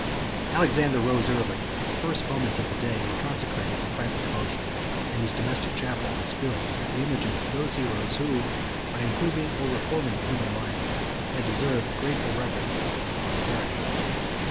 Alexander rose early: the first moments of the day were consecrated to private devotion, and his domestic chapel was filled with the images of those heroes, who, by improving or reforming human life, had deserved the grateful reverence of posterity.